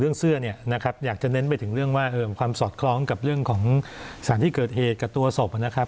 เสื้อเนี่ยนะครับอยากจะเน้นไปถึงเรื่องว่าความสอดคล้องกับเรื่องของสารที่เกิดเหตุกับตัวศพนะครับ